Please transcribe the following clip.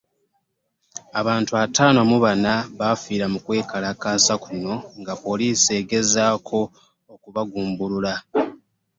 Abantu ataano mu bana baafiira mu kwekalakaasa kuno nga poliisi egezaako okubagumbulula